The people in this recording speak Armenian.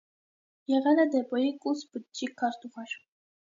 Եղել է դեպոյի կուսբջջի քարտուղար։